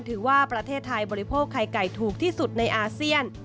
ถือว่าประเทศไทยบริโภคไข่ไก่ถูกที่สุดในอาเซียน